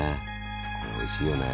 これおいしいよね。